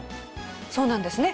そうなんですね。